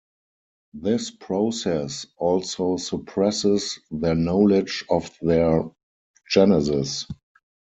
This process also suppresses their knowledge of their genesis.